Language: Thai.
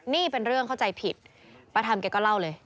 นี่เป็นเรื่องเข้าใจผิดป้าทำแกก็เล่าเลย